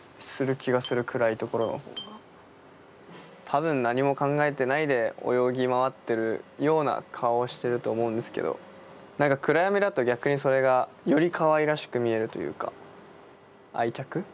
多分何も考えてないで泳ぎ回ってるような顔をしてると思うんですけど何か暗闇だと逆にそれがよりかわいらしく見えるというか愛着？